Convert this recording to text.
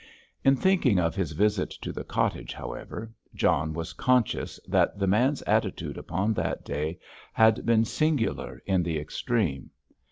In thinking of his visit to the cottage, however, John was conscious that the man's attitude upon that day had been singular in the extreme.